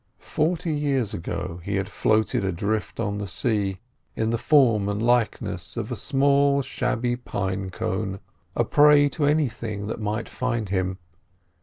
Forty years ago he had floated adrift on the sea in the form and likeness of a small shabby pine cone, a prey to anything that might find him.